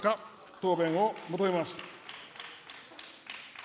答弁を求めます。